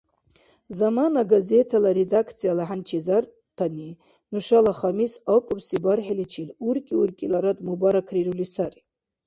«Замана» газетала редакцияла хӀянчизартани нушала Хамис акӀубси бархӀиличил уркӀи-уркӀиларад мубаракрирули сари!